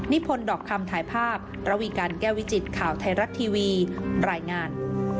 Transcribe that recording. พลดอกคำถ่ายภาพระวีการแก้วิจิตข่าวไทยรัฐทีวีรายงาน